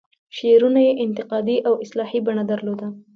شعرونو یې انتقادي او اصلاحي بڼه درلوده.